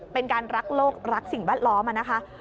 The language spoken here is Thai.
เป็นการรักโลกรักสิ่งแวดล้อมนะคะ